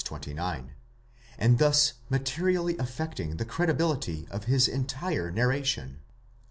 29), and thus materially affecting the credibility of his entire narration.